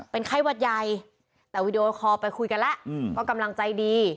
เป็นไข้หวัดใหญ่แต่วีดีโอคอลไปคุยกันแล้วก็กำลังใจดี